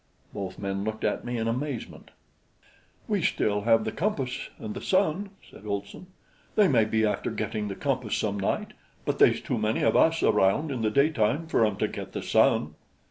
Both men looked at me in amazement. "We still have the compass and the sun," said Olson. "They may be after getting the compass some night; but they's too many of us around in the daytime fer 'em to get the sun."